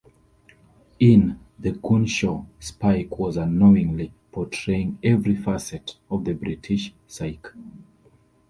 In "The Goon Show", Spike was unknowingly portraying every facet of the British psyche".